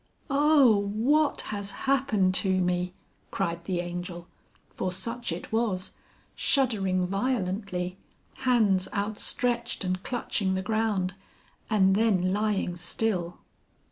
"Oh! what has happened to me?" cried the Angel (for such it was), shuddering violently, hands outstretched and clutching the ground, and then lying still.